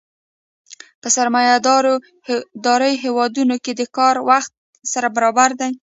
په سرمایه داري هېوادونو کې د کار وخت سره برابر دی